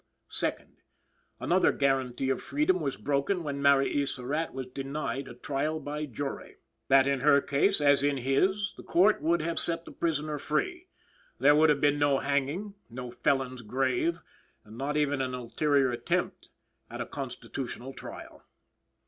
2nd. "Another guarantee of freedom was broken when" (Mary E. Surratt) "was denied a trial by jury;" that, in her case, as in his, the Court would have set the prisoner free; there would have been no hanging, no felon's grave, and not even an ulterior attempt at a constitutional trial.